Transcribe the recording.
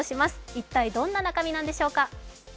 一体どんな中身なんでしょうか。